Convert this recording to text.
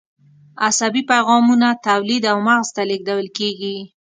عصبي پیغامونه تولید او مغز ته لیږدول کېږي.